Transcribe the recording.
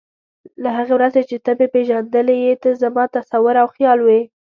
له هغې ورځې چې ته مې پېژندلی یې ته زما تصور او خیال وې.